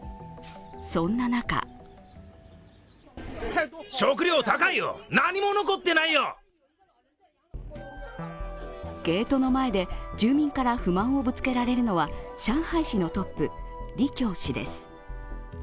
そんな中ゲートの前で住民から不満をぶつけられるのは上海市のトップ・李強氏です。